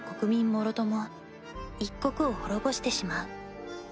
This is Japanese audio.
もろとも一国を滅ぼしてしまう。